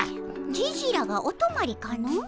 ジジらがおとまりかの？